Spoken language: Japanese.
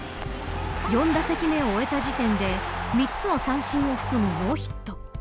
４打席目を終えた時点で３つの三振を含むノーヒット。